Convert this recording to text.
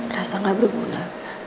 rasa nggak berguna